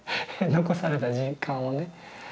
残された時間をね